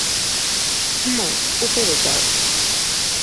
হ্যাঁ, ওপরে যাও।